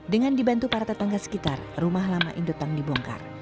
dengan dibantu para tetangga sekitar rumah lama indotang dibongkar